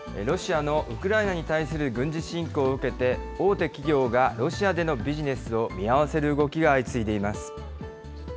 ロシアのウクライナに対する軍事侵攻を受けて、大手企業がロシアでのビジネスを見合わせる動きが相次いでいます。